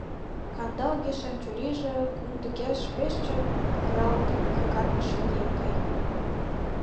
Кандалге-шем чурийже кумдыкеш пеш чот кыралт какаргыше еҥ гай.